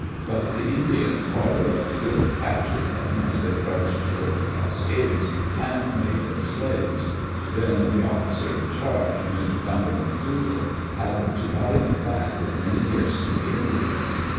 But the Indians farther up the river captured them as they trudged toward the Cascades, and made them slaves. of good food, in spite of the suUenness of McDougall and to buy them back with many gifts to the Indians.